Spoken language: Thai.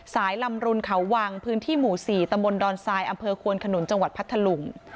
ลำรุนเขาวังพื้นที่หมู่๔ตำบลดอนทรายอำเภอควนขนุนจังหวัดพัทธลุง